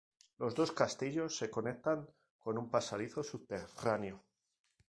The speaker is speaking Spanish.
Los dos castillos se conectan con un pasadizo subterráneo.